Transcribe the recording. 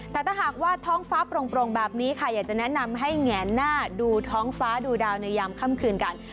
แต่ถ้าหากว่าท้องฟ้าโปร่งแบบนี้ค่ะอยากจะแนะนำให้แงนหน้าดูท้องฟ้าดูดาวในยามค่ำคืนกัน